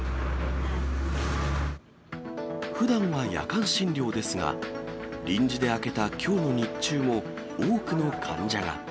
ふだんは夜間診療ですが、臨時で開けたきょうの日中も、多くの患者が。